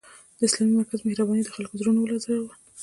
د اسلامي مرکز مهربانۍ د خلکو زړونه ولړزول